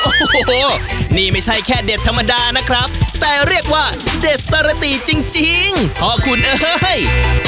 โอ้โหนี่ไม่ใช่แค่เด็ดธรรมดานะครับแต่เรียกว่าเด็ดสรติจริงเพราะคุณเอ้ย